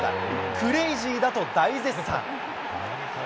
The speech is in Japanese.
クレイジーだと大絶賛。